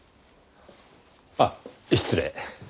あっ失礼。